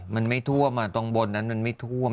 มันไม่ท่วมตรงบนนั้นมันไม่ท่วม